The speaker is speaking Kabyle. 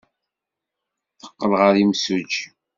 Teqqel ɣer yimsujji.